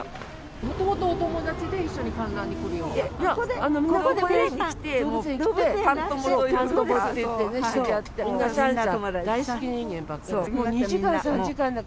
もともとお友達で一緒に観覧に来るようになったんですか？